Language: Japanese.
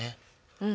うん。